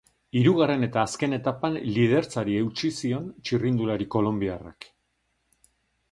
Hirugarren eta azken etapan lidertzari eutsi zion txirrindulari kolonbiarrak.